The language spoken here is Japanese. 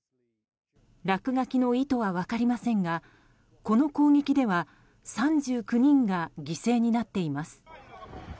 落書きの意図は分かりませんがこの攻撃では３９人が犠牲になっています。